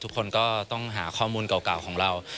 ทุกคนก็ต้องหาข้อมูลเก่าของเรา